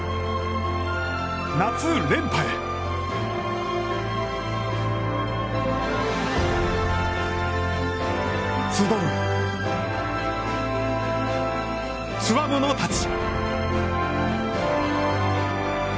夏連覇へ集うつわものたち。